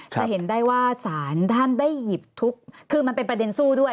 จะเห็นได้ว่าสารท่านได้หยิบทุกคือมันเป็นประเด็นสู้ด้วย